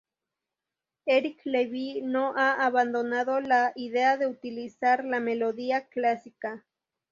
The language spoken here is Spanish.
Eric Levi no ha abandonado la idea de utilizar la melodía clásica.